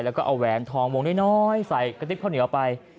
แล้วก็เอาแหวนทองวงน้อยใส่กระติ๊บข้าวเหนียวไป